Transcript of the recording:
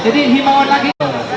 jadi himawan lagi